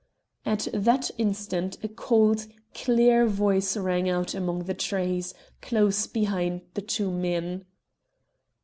At that instant a cold, clear voice rang out among the trees, close behind the two men.